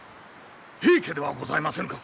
平家ではございませぬか！